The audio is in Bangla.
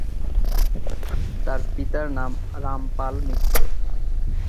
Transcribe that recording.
তার পিতার নাম রামপাল মিত্র।